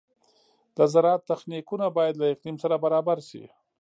د زراعت تخنیکونه باید له اقلیم سره برابر شي.